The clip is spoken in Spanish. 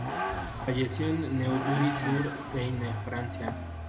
Falleció en Neuilly-sur-Seine, Francia.